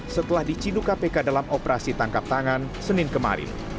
setelah diciduk kpk dalam operasi tangkap tangan senin kemarin